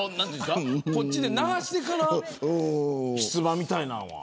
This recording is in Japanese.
こっちで流してから出馬みたいなんわ。